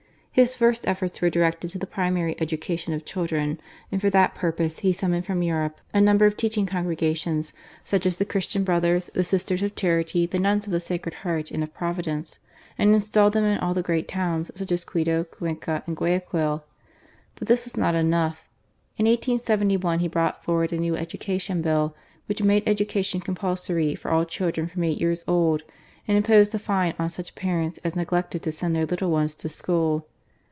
His first efforts were directed to the primary education of children, and for that purpose he summoned from Europe a number of teaching Congregations, such as the Christian Brothers, the Sisters of Charity, the Nuns of the Sacred Heart, and of Providence; and installed them in all the great towns, such as Quito, Cuenca, and Guayaquil. But this was not enough. In 1871 he brought forward a new Educa tion Bill, which made education compulsory for all children from eight years old ; and imposed a fine on such parents as neglected to send their little ones to school.